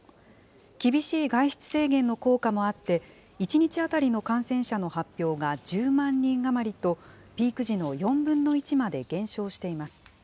厳しい外出制限の効果もあって、１日当たりの感染者の発表が１０万人余りと、ピーク時の４分の１まで減少しています。